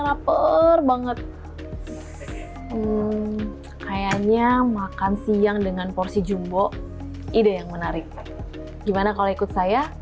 lapar banget kayaknya makan siang dengan porsi jumbo ide yang menarik gimana kalau ikut saya